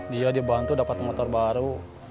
dia dibantu dapat motor baru